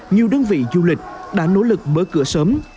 nhiều đơn vị du lịch đã nỗ lực mở cửa sớm